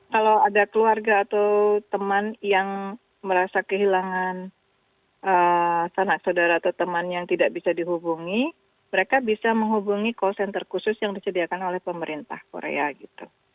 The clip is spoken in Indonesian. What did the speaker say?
kalau ada keluarga atau teman yang merasa kehilangan sanak saudara atau teman yang tidak bisa dihubungi mereka bisa menghubungi call center khusus yang disediakan oleh pemerintah korea gitu